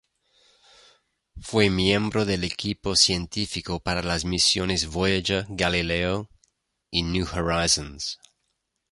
Fue miembro del equipo científico para las misiones Voyager, Galileo y New Horizons.